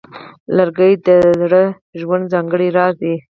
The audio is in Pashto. لرګی د زاړه ژوند ځانګړی راز دی.